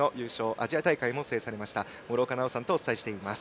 アジア大会も制されました諸岡奈央さんとお伝えしています。